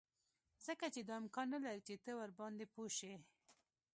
ځکه چې دا امکان نلري چې ته ورباندې پوه شې